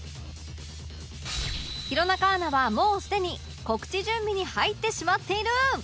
弘中アナはもうすでに告知準備に入ってしまっている